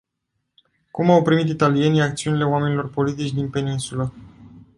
Cum au primit italienii acțiunile oamenilor politici din peninsulă.